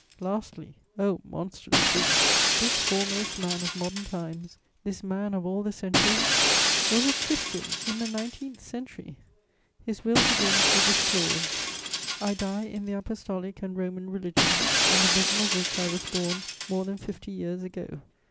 Lastly, O monstrous thing, this foremost man of modern times, this man of all the centuries, was a Christian in the nineteenth century! His will begins with this clause: "I DIE IN THE APOSTOLIC AND ROMAN RELIGION, IN THE BOSOM OF WHICH I WAS BORN MORE THAN FIFTY YEARS AGO."